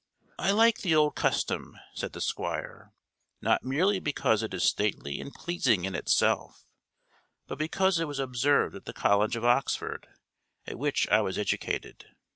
"I like the old custom," said the Squire, "not merely because it is stately and pleasing in itself, but because it was observed at the College of Oxford, at which I was educated.